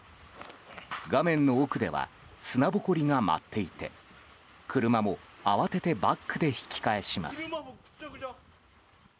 画面の奥では砂ぼこりが舞っていて車も慌ててバックで引き返します。